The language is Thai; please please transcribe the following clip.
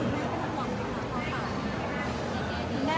รักไข่ทิมนะ